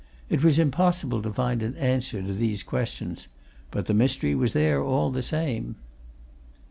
It was impossible to find an answer to these questions; but the mystery was there, all the same.